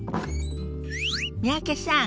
三宅さん